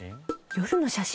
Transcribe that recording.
夜の写真。